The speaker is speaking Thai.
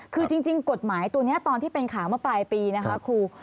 คือจริงกฎหมายตัวนี้ตอนที่เป็นข่าวเมื่อปลายปีนะคะครู